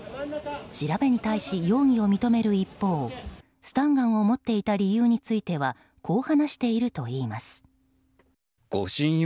調べに対し、容疑を認める一方スタンガンを持っていた理由についてはこう話しているといいます。